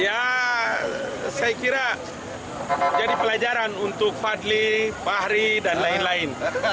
ya saya kira jadi pelajaran untuk fadli fahri dan lain lain